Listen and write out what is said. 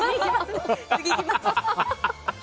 次、いきます。